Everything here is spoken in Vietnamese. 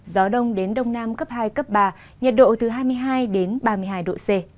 gió đông đến đông nam cấp hai cấp ba nhiệt độ từ hai mươi hai đến ba mươi hai độ c